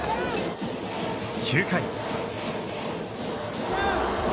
９回。